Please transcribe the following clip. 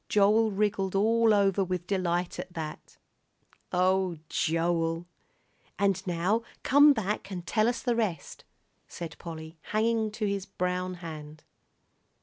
Joel wriggled all over with delight at that "Oh, Joel!" "And now come back and tell us the rest," said Polly, hanging to his brown hand.